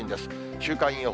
週間予報。